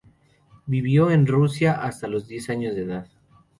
Vivió en Rusia hasta los diez años de edad.